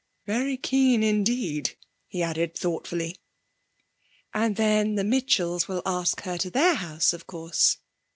Very keen indeed,' he added thoughtfully. 'And then the Mitchells will ask her to their house, of course?'